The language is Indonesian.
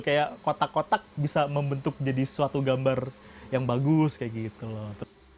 kayak kotak kotak bisa membentuk jadi suatu gambar yang bagus kayak gitu loh